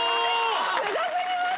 すごすぎます